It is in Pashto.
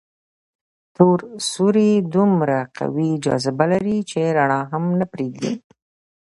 تور سوري دومره قوي جاذبه لري چې رڼا هم نه پرېږدي.